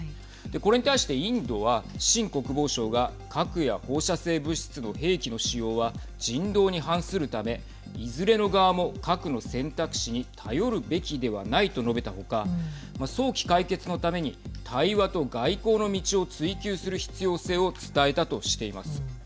これに対してインドはシン国防相が核や放射性物質の兵器の使用は人道に反するためいずれの側も核の選択肢に頼るべきではないと述べた他早期解決のために対話と外交の道を追求する必要性を伝えたとしています。